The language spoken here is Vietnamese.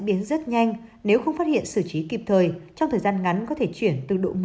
biến rất nhanh nếu không phát hiện xử trí kịp thời trong thời gian ngắn có thể chuyển từ độ một